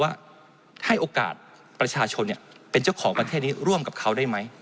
ว่าให้โอกาสประชาชนเป็นเจ้าของประเทศนี้ร่วมกับเขาได้ไหม